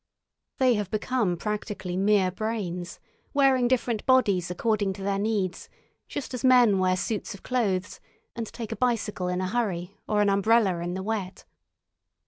They have become practically mere brains, wearing different bodies according to their needs just as men wear suits of clothes and take a bicycle in a hurry or an umbrella in the wet.